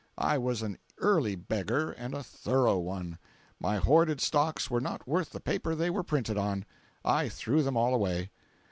I was an early beggar and a thorough one. My hoarded stocks were not worth the paper they were printed on. I threw them all away.